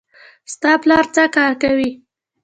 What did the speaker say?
ستا پلار څه کار کوي